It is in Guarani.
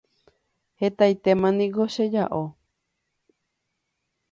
Hetaitémaniko cheja'o.